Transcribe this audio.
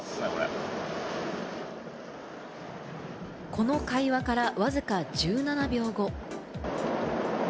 この会話から、わずか１７秒後。